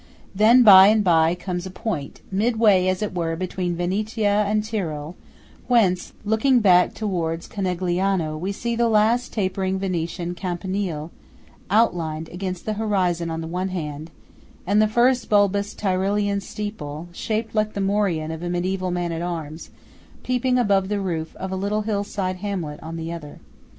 Then by and by comes a point, midway as it were between Venetia and Tyrol, whence, looking back towards Conegliano, we see the last tapering Venetian campanile outlined against the horizon on the one hand, and the first bulbous Tyrolean steeple, shaped like the morion of a mediæval man at arms, peeping above the roof of a little hill side hamlet on the other.